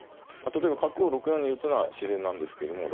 例えば角を６四に打つのは自然なんですけども。